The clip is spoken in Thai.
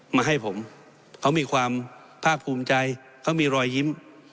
มาให้ผมเขามีความภาคภูมิใจเขามีรอยยิ้ม